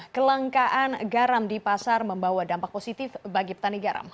kelangkaan garam di pasar membawa dampak positif bagi petani garam